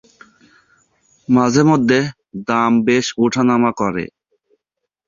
মাঝেমধ্যে দাম বেশ উঠা-নামা করে।